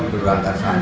cuma rasa tidak sengaja